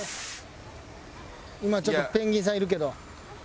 今ちょっとペンギンさんいるけど。